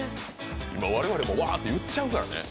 我々もワーって言っちゃうからね。